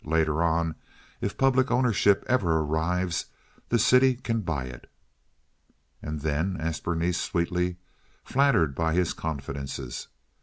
Later on, if public ownership ever arrives, the city can buy it." "And then—" asked Berenice sweetly, flattered by his confidences.